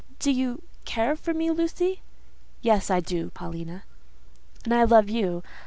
"Do you care for me, Lucy?" "Yes, I do, Paulina." "And I love you.